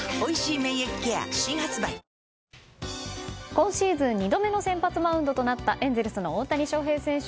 今シーズン２度目の先発マウンドとなったエンゼルスの大谷翔平選手